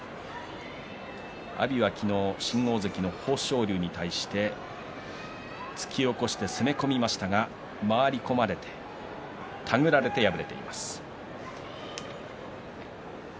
阿炎は昨日新大関の豊昇龍に対して突き起こして攻め込みましたが回り込まれて手繰られて敗れています。